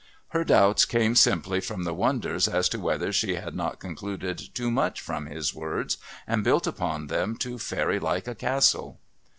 Her doubts came simply from the wonder as to whether she had not concluded too much from his words and built upon them too fairy like a castle.